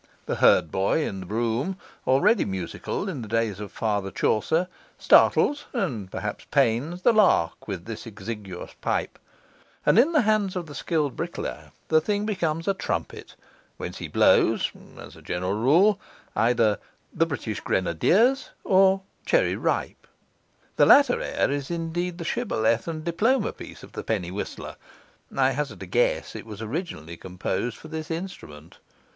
The herdboy in the broom, already musical in the days of Father Chaucer, startles (and perhaps pains) the lark with this exiguous pipe; and in the hands of the skilled bricklayer, 'The thing becomes a trumpet, whence he blows' (as a general rule) either 'The British Grenadiers' or 'Cherry Ripe'. The latter air is indeed the shibboleth and diploma piece of the penny whistler; I hazard a guess it was originally composed for this instrument.